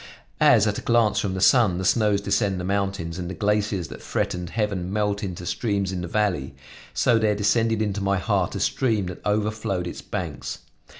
As at a glance from the sun the snows descend the mountains and the glaciers that threatened heaven melt into streams in the valley, so there descended into my heart a stream that overflowed its banks.